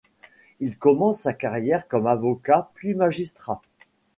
Il commence sa carrière comme avocat puis magistrat.